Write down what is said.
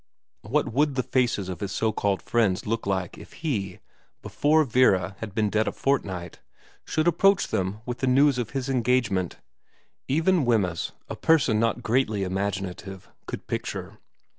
What the faces of his so called friends would look like if he, before Vera had been dead a fortnight, should approach them with the news of his engagement even Wemyss, a person not greatly imaginative, could picture.